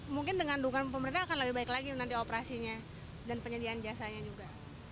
mungkin dengan dukungan pemerintah akan lebih baik lagi nanti operasinya dan penyediaan jasanya juga